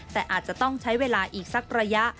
แต่อาจจะต้องใช้เวลาอีกสักระยะ